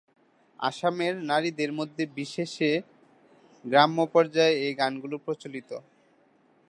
আসামের নারীদের মধ্যে বিশেষে গ্রাম্য পর্যায়ে এই গানগুলি প্রচলিত।